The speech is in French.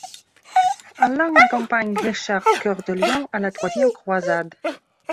Alan accompagne Richard Cœur de Lion à la troisième croisade.